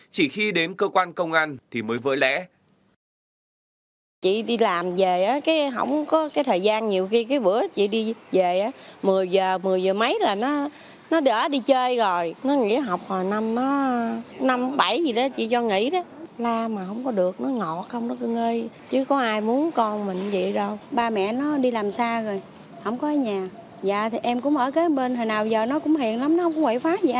chỉ khi đến cơ quan công an thì mới vỡ lẽ